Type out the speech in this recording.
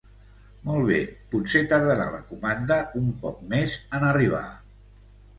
Molt bé, potser tardarà la comanda un poc més en arribar.